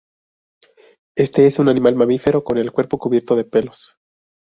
Este es un animal mamífero con el cuerpo cubierto de pelos.